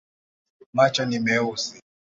Macho ni meusi.